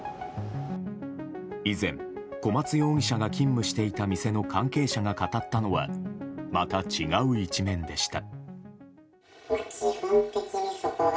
以前、小松容疑者が勤務していた店の関係者が語ったのはまた違う一面でした。